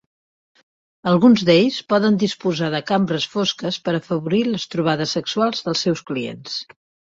Alguns d'ells poden disposar de cambres fosques per afavorir les trobades sexuals dels seus clients.